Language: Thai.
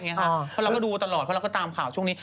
เพราะเราก็ดูตลอดเพราะเราก็ตามข่าวช่วงนี้